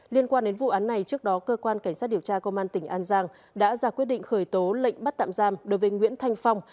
liên quan đến vụ án này trước đó cơ quan cảnh sát điều tra công an tỉnh an giang đã ra quyết định khởi tố lệnh bắt tạm giam đối với nguyễn thanh phong